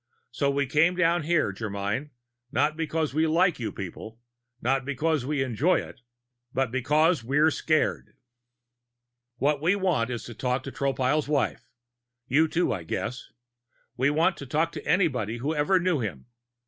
So we came down here, Germyn, not because we like you people, not because we enjoy it, but because we're scared. "What we want is to talk to Tropile's wife you, too, I guess; we want to talk to anybody who ever knew him.